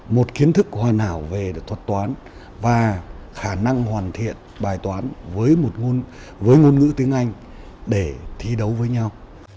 một kiến thức hoàn hảo về thuật toán và khả năng hoàn thiện bài toán với một với ngôn ngữ tiếng anh để thi đấu với nhau